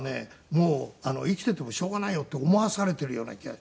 もう生きていてもしょうがないよって思わされているような気が。